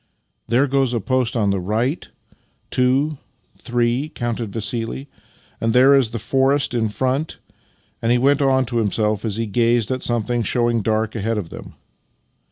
" There goes a post on the right — two — three," counted Vassili. " And there is the forest in front," he went on to himself as he gazed at something show ing dark ahead of them.